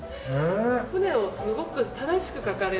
船をすごく正しく描かれるので。